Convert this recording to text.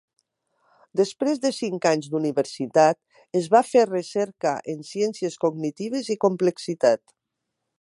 Després de cinc anys d'universitat, es va fer recerca en ciències cognitives i complexitat.